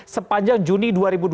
sepanjang juni dua ribu dua puluh